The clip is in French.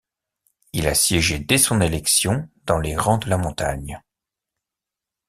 Il a siégé dès son élection dans les rangs de la Montagne.